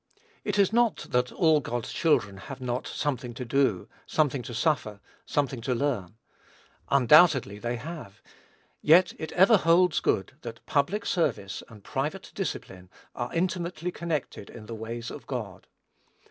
It is not that all God's children have not something to do, something to suffer, something to learn. Undoubtedly they have; yet it ever holds good that public service and private discipline are intimately connected in the ways of God.